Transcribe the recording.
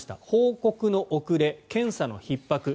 報告の遅れ検査のひっ迫